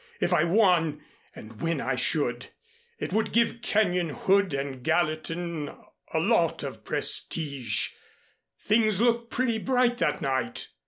If I won, and win I should, it would give Kenyon, Hood and Gallatin a lot of prestige. Things looked pretty bright that night.